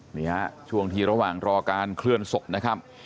เดี๋ยวนะครับช่วงทีระหว่างรอการเคลื่อนศพนะครับ